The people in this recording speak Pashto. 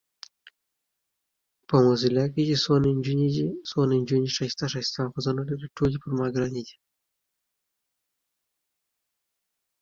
صداقت تر ټولو غوره شتمني ده.